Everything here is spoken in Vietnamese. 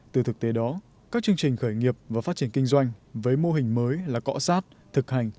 từ thực tế đó các chương trình khởi nghiệp và phát triển kinh doanh với mô hình mới là cọ sát thực hành